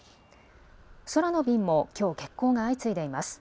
空の便もきょう欠航が相次いでいます。